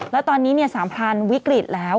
แล้วตอนนี้สามพรานวิกฤตแล้ว